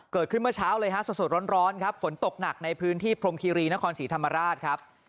เกิดขึ้นเมื่อเช้าเลยฮะสดร้อนครับฝนตกหนักในพื้นที่พรมคีรีนครศรีธรรมราชครับ